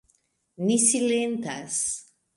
Ni silentas.